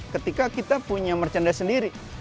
ketika kita punya merchandise sendiri